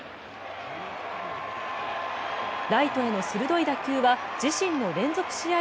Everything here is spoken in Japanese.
ライトへの鋭い打球は自身の連続試合